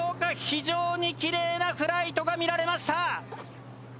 非常にきれいなフライトが見られました。